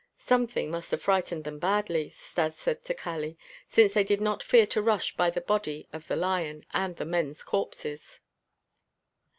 "Something must have frightened them badly," Stas said to Kali, "since they did not fear to rush by the body of the lion and the men's corpses."